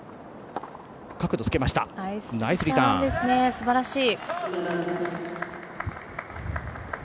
すばらしい。